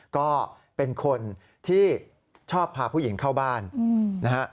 ก็เป็นคนที่ชอบพาผู้หญิงเข้าบ้านนะฮะ